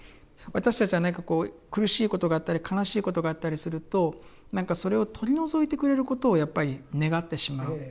私たちは何かこう苦しいことがあったり悲しいことがあったりするとそれを取り除いてくれることをやっぱり願ってしまう。